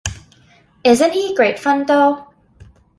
Isn't he great fun, though?